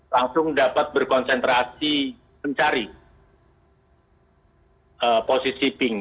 langsung dapat berkonsentrasi mencari posisi pink